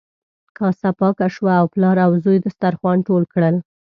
کاسه پاکه شوه او پلار او زوی دسترخوان ټول کړل.